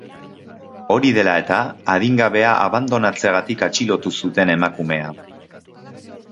Hori dela eta, adingabea abandonatzeagatik atxilotu zuten emakumea.